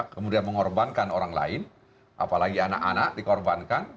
kemudian mengorbankan orang lain apalagi anak anak dikorbankan